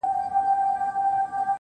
دا ستا خبري مي د ژوند سرمايه,